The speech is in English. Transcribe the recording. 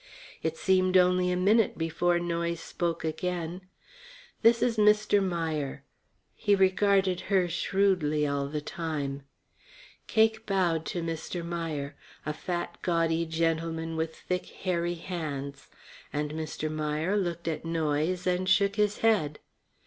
It seemed only a minute before Noyes spoke again: "This is Mr. Meier." He regarded her shrewdly all the time. Cake bowed to Mr. Meier, a fat, gaudy gentleman with thick, hairy hands. And Mr. Meier looked at Noyes and shook his head.